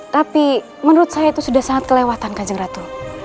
tapi menurut saya itu sudah sangat kelewatan kanjeng ratu